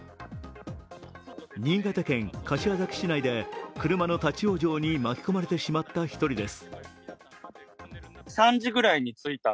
新潟県柏崎市内で車の立往生に巻き込まれてしまった一人です。